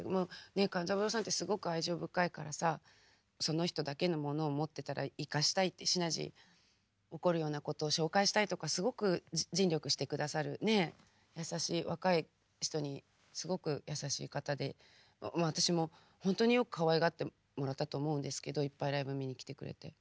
勘三郎さんってすごく愛情深いからさその人だけのものを持ってたら生かしたいってシナジー起こるようなことを紹介したいとかすごく尽力して下さるねえ優しい若い人にすごく優しい方でまあ私も本当によくかわいがってもらったと思うんですけどいっぱいライブ見に来てくれて。